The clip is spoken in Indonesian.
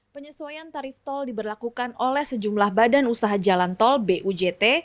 penyesuaian tarif tol diberlakukan oleh sejumlah badan usaha jalan tol bujt